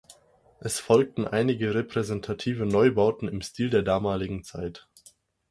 Es folgten einige repräsentative Neubauten im Stil der damaligen Zeit.